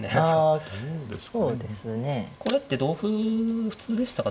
あそうですね。これって同歩普通でしたか。